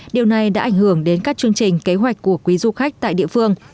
điều này đã ảnh hưởng đến các chương trình kế hoạch của quý du khách tại địa phương